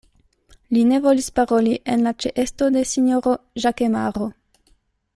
Li ne volis paroli en la ĉeesto de sinjoro Ĵakemaro.